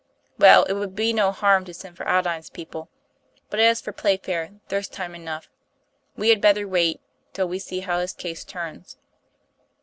"Well, it would be no harm to send for Aldine's people; but as for Playfair, there's time enough. We had better wait till we see how his case turns."